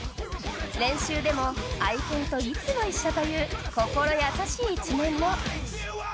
練習でも愛犬といつも一緒という心優しい一面も。